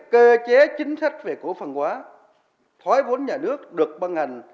cơ chế chính sách về cổ phần hóa thoái vốn nhà nước được băng hành